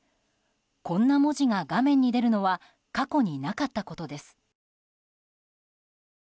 こんな文字が画面に出るのは過去になかったことです。